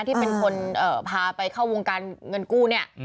ที่เป็นคนพาไปเข้าวงการเงินกู้เนี่ย